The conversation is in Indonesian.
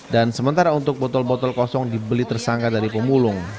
dan sementara untuk botol botol kosong dibeli tersangka dari pemulung